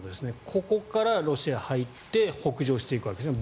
ここからロシアに入って北上していくわけですね。